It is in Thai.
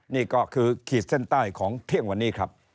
นี่ก็คือขีดเส้นใต้ของเที่ยงวันนี้ครับ